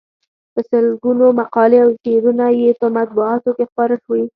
په سلګونو مقالې او شعرونه یې په مطبوعاتو کې خپاره شوي.